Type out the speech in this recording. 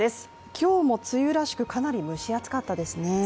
今日も梅雨らしくかなり蒸し暑かったですね。